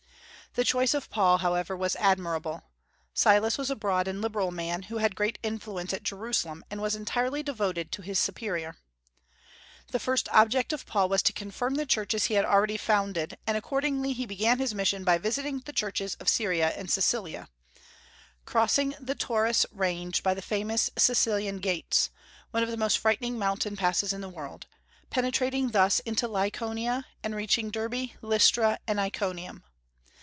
The choice of Paul, however, was admirable. Silas was a broad and liberal man, who had great influence at Jerusalem, and was entirely devoted to his superior. "The first object of Paul was to confirm the churches he had already founded; and accordingly he began his mission by visiting the churches of Syria and Cilicia," crossing the Taurus range by the famous Cilician Gates, one of the most frightful mountain passes in the world, penetrating thus into Lycaonia, and reaching Derbe, Lystra, and Iconium.